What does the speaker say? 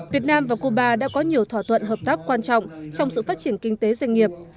việt nam và cuba đã có nhiều thỏa thuận hợp tác quan trọng trong sự phát triển kinh tế doanh nghiệp